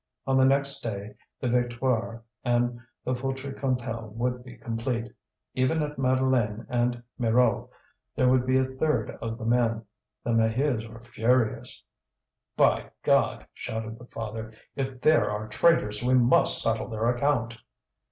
On the next day the Victoire and Feutry Cantel would be complete; even at Madeleine and Mirou there would be a third of the men. The Maheus were furious. "By God!" shouted the father, "if there are traitors, we must settle their account."